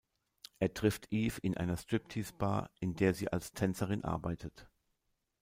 Er trifft Eve in einer Striptease-Bar, in der sie als Tänzerin arbeitet.